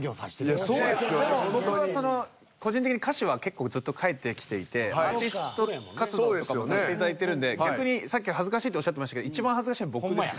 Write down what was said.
でも僕はその個人的に歌詞は結構ずっと書いてきていてアーティスト活動とかもさせていただいてるんで逆にさっき恥ずかしいとおっしゃってましたけどほんまや。